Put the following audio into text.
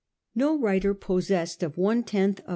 No writer possessed of one tenth of Miss VOL.